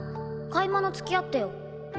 買い物付き合ってよ。